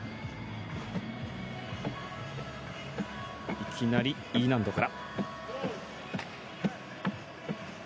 いきなりＥ難度から。